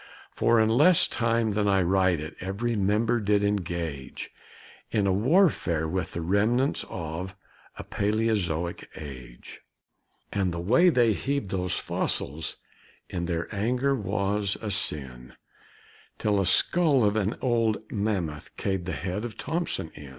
For, in less time than I write it, every member did engage In a warfare with the remnants of a palæozoic age; And the way they heaved those fossils in their anger was a sin, Till the skull of an old mammoth caved the head of Thompson in.